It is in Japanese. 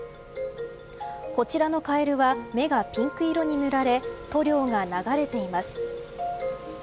こちらのカエルは目がピンク色に塗られ塗料が流れています。